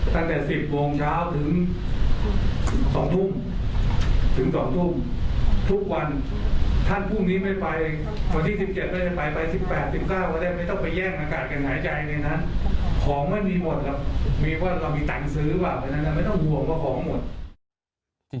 ไปแซมไม่ต้องห่วงว่าคองหมด